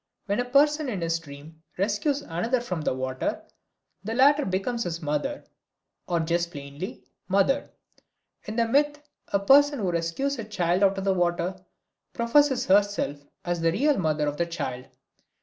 When a person in his dream rescues another from the water, the latter becomes his mother, or just plainly mother; in the myth a person who rescues a child out of the water professes herself as the real mother of the child.